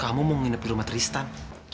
kamu mau nginep di rumah tristan